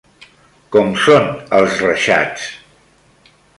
Com són els reixats?